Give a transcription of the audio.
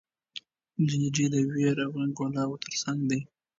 جنډې د ویر او انګولاوو تر څنګ دي.